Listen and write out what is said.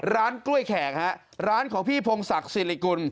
ร้านกล้วยแขกฮะร้านของพี่พงศักดิ์สิริกุล